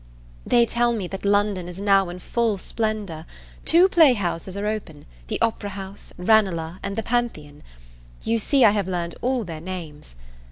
They tell me that London is now in full splendour. Two playhouses are open, the Opera house, Ranelagh, and the Pantheon. You see I have learned all their names.